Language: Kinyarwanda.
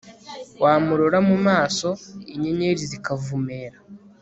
wamurora mu maso inyeri zikavumera